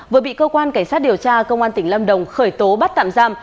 vừa bị cơ quan cảnh sát điều tra công an tỉnh lâm đồng khởi tố bắt tạm giam